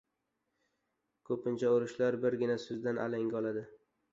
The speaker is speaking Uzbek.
• Ko‘pincha urushlar birgina so‘zdan alanga oladi.